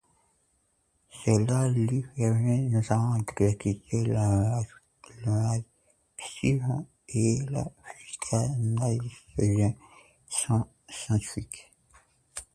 Cela lui permet notamment d'exclure le marxisme et la psychanalyse du champ scientifique.